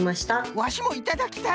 ワシもいただきたい！